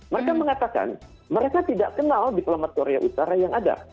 mereka mengatakan mereka tidak kenal diplomat korea utara yang ada